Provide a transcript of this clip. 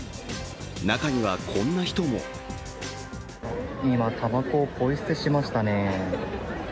中にはこんな人も今、たばこをポイ捨てしましたね。